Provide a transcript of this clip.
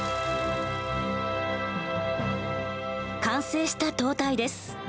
完成した塔体です。